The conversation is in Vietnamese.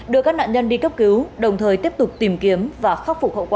đưa các nạn nhân đi cấp cứu đồng thời tiếp tục tìm kiếm và khắc phục hậu quả